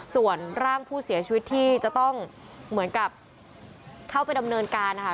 ส่วนร่างผู้เสียชีวิตที่จะต้องเหมือนกับเข้าไปดำเนินการนะคะ